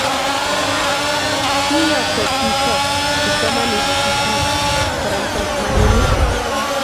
Kiiyokto chiso kipsomaninik chich koromu samakinik